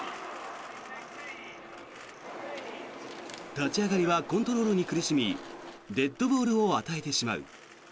立ち上がりはコントロールに苦しみデッドボールを与えてしまう。